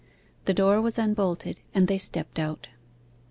The door was unbolted and they stepped out.